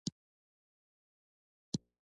ریښتینی بدلون د انسان دننه پیښیږي.